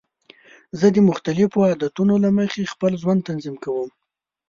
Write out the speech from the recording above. زه د مختلفو عادتونو له مخې خپل ژوند تنظیم کوم.